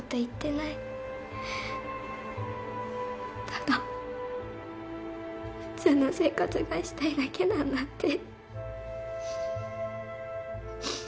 ただ普通の生活がしたいだけなんだって。